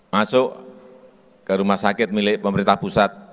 masuk ke rumah sakit milik pemerintah pusat